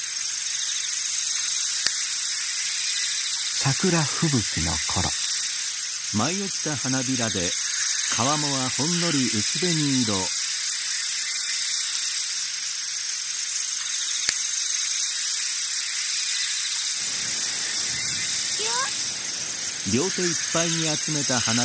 桜吹雪の頃いくよ。